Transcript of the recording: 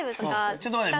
ちょっと待って。